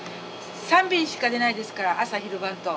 ３便しか出ないですから朝昼晩と。